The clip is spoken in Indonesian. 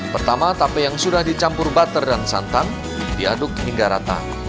pertama tape yang sudah dicampur butter dan santan diaduk hingga rata